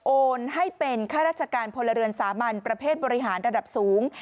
โอนให้เป็นข้าราชการพลเรือนสามัญประเภทบริหารระดับสูง